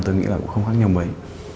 tôi nghĩ là cũng không khác nhau mấy